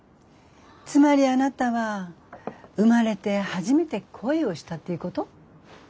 つまりあなたは生まれて初めて恋をしたっていうこと？